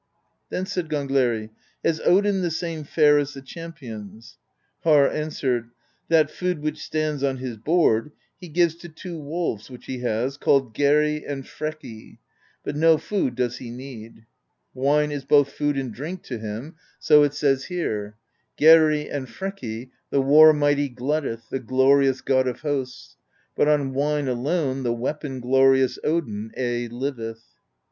'* Then said Gangleri: "Has Odin the same fare as the champions?" Harr answered: "That food which stands on his board he gives to two wolves which he has, called Geri' and Freki;^ but no food does he need; wine is both food and drink to him; so it says here: ^ Ravener. ^ Glutton, greedy. THE BEGUILING OF GYLFI 51 Geri and Freki the war mighty glutteth, The glorious God of Hosts; But on wine alone the weapon glorious Odin aye liveth.